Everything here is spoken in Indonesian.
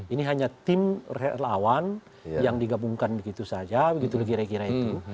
ini hanya tim relawan yang digabungkan begitu saja begitu kira kira itu